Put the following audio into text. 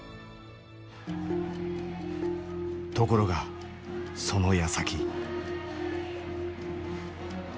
ところがそのやさき。